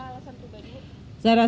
apa alasan itu bapak